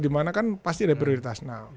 di mana kan pasti ada prioritas